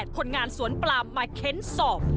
คนงานสวนปลามมาเค้นสอบ